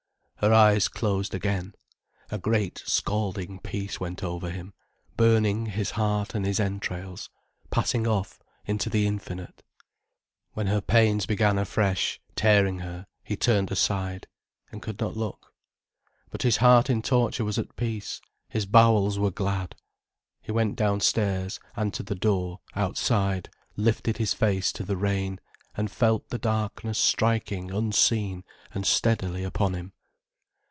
Her eyes closed again. A great, scalding peace went over him, burning his heart and his entrails, passing off into the infinite. When her pains began afresh, tearing her, he turned aside, and could not look. But his heart in torture was at peace, his bowels were glad. He went downstairs, and to the door, outside, lifted his face to the rain, and felt the darkness striking unseen and steadily upon him.